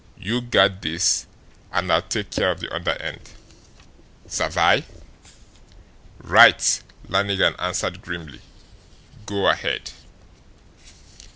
You guard this, and I'll take care of the other end. Savvy?" "Right!" Lannigan answered grimly. "Go ahead!"